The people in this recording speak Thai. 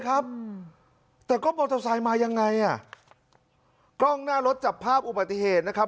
ครับแต่ก็มอเตอร์ไซค์มายังไงอ่ะกล้องหน้ารถจับภาพอุบัติเหตุนะครับ